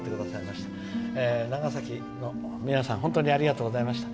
長崎の皆さんありがとうございました。